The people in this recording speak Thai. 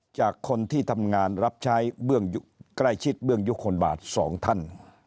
จากคนที่ทำงานรับใช้เบื้องใกล้ชิดเบื้องยุคลบาท๒ท่าน